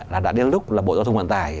là đã đến lúc là bộ giao thông vận tải